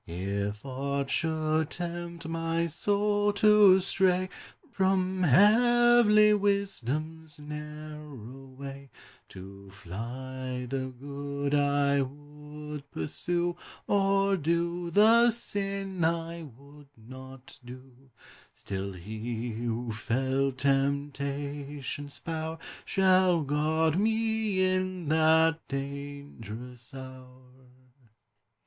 If aught should tempt my soul to stray From heavenly wisdom's narrow way, To fly the good I would pursue, Or do the sin I would not do, Still He who felt temptation's power Shall guard me in that dangerous hour.